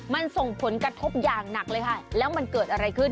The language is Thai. มันส่งผลกระทบอย่างหนักเลยค่ะแล้วมันเกิดอะไรขึ้น